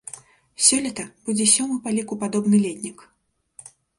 Сёлета будзе сёмы па ліку падобны летнік.